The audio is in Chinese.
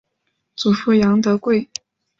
祖父杨德贵。